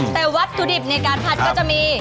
แต่วัตถุดิบในการผัดก็จะมี